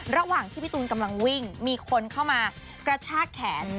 ระหว่างที่พี่ตูนกำลังวิ่งมีคนเข้ามากระชากแขน